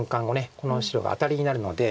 この白がアタリになるので。